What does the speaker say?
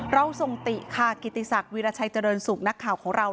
เราส่งติค่ะกิติศักดิราชัยเจริญสุขนักข่าวของเรา